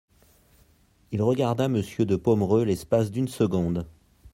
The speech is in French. Il regarda Monsieur de Pomereux l'espace d'une seconde.